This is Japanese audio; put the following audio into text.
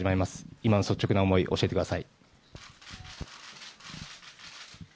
今の率直な思い教えてください。